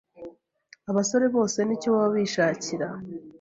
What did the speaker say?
Abasore bose nicyo baba bishakira,